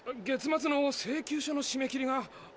月末の請求書のしめ切りが。